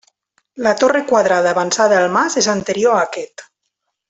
La torre quadrada avançada al mas és anterior a aquest.